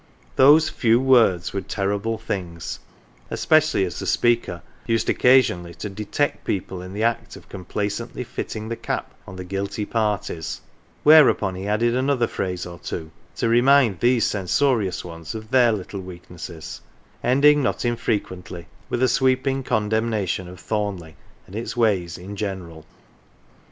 Those " few words" were terrible things, especially as the speaker used occasionally to detect people in the act of complacently "fitting the cap " on the guilty parties; whereupon he added another phrase or two to remind these censorious ones of their little weaknesses, ending not infrequently with a sweeping condemnation of Thornleigh and its ways in general.